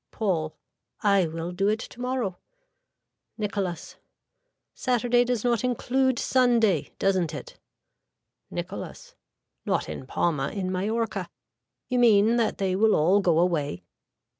(Paul.) I will do it tomorrow. (Nicholas.) Saturday does not include Sunday. Doesn't it. (Nicholas.) Not in Palma in Mallorca. You mean that they will all go away.